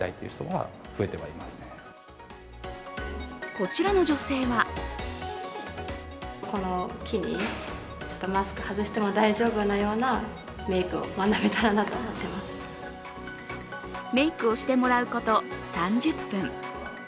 こちらの女性はメイクをしてもらうこと３０分。